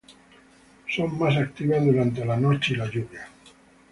Son más activas durante la noche y la lluvia.